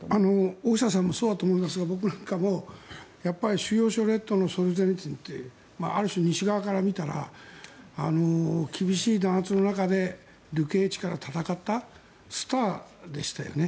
大下さんもそうだと思いますが僕なんかもやっぱり「収容所群島」のソルジェニーツィンってある種、西側から見たら厳しい弾圧の中で流刑地から闘ったスターでしたよね。